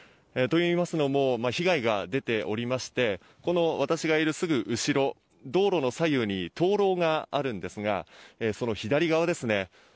といいますのも被害が出ておりまして私がいる、すぐ後ろ道路の左右に灯籠がありますがその左側ですね